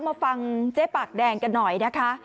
มาฟังเจ๊ปากแดงกันหน่อยนะคะ